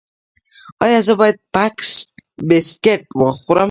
ایا زه باید بسکټ وخورم؟